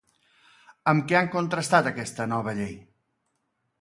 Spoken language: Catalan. Amb què han contrastat aquesta nova llei?